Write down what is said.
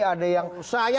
ada yang secara politik